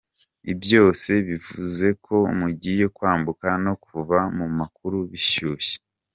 ibyose bivuzeko mugiye kwambuka konuva mumakuru bishushye